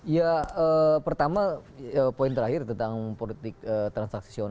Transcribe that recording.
ya pertama poin terakhir tentang politik transaksional